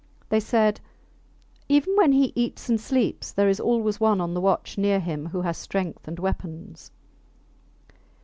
They said, Even when he eats and sleeps there is always one on the watch near him who has strength and weapons.